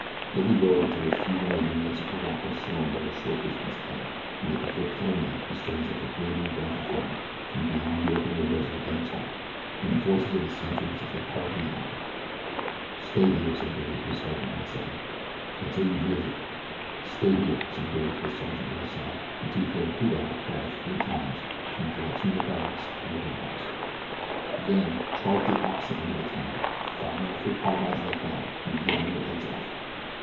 Billy rode until the few remaining lights of Cuivaca shone but a short distance ahead and they could hear plainly the strains of a grating graphophone from beyond the open windows of a dance hall, and the voices of the sentries as they called the hour. "Stay here," said Billy to a sergeant at his side, "until you hear a hoot owl cry three times from the direction of the barracks and guardhouse, then charge the opposite end of the town, firing off your carbines like hell an' yellin' yer heads off.